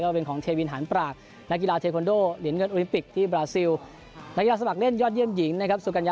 ก็เป็นของเทวินหาเมื่อปีนี้นะครับ